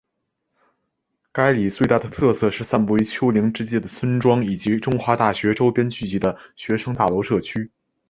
该里最大的特色是散布于丘陵之间的农村以及中华大学周边聚集的学生大楼社区。